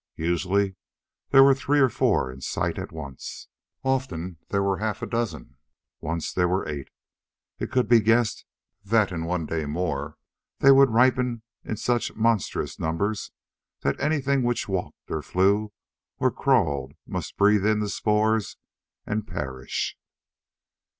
Usually there were three or four in sight at once. Often there were half a dozen. Once there were eight. It could be guessed that in one day more they would ripen in such monstrous numbers that anything which walked or flew or crawled must breathe in the spores and perish.